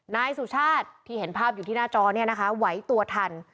นายสุชาติที่เห็นภาพอยู่ที่หน้าจอเนี่ยนะคะไหวตัวทัน